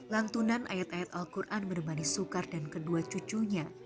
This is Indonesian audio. langtunan ayat ayat al qur'an bernama di sukar dan kedua cucunya